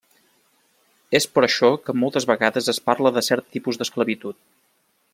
És per això que moltes vegades es parla de cert tipus d'esclavitud.